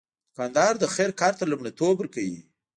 دوکاندار د خیر کار ته لومړیتوب ورکوي.